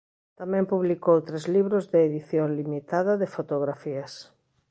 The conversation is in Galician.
Tamén publicou tres libros de edición limitada de fotografías.